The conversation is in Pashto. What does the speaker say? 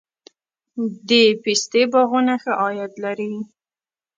د پستې باغونه ښه عاید لري؟